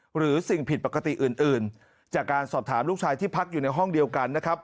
หรือสิ่งผิดปกติอื่นอื่นจากการสอบถามลูกชายที่พักอยู่ในห้องเดียวกันนะครับ